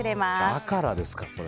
だからですか、これ。